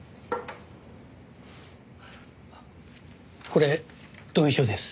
これ同意書です。